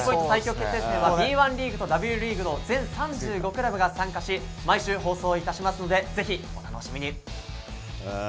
最強決定戦はＢ１リーグとＷリーグの全３５クラブが参加し毎週放送致しますのでぜひ、お楽しみに。